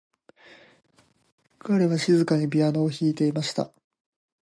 彼は静かにピアノを弾いていました。